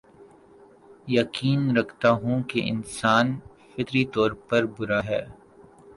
یقین رکھتا ہوں کے انسان فطری طور پر برا ہے